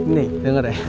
nih denger ya